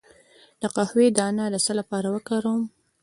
د قهوې دانه د څه لپاره وکاروم؟